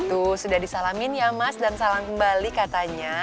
tuh sudah disalamin ya mas dan salam kembali katanya